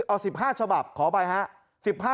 เอา๑๕ฉบับขอไปฮะ